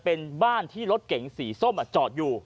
เป็นบ้านที่รถเก๋งสีส้มจอดอยู่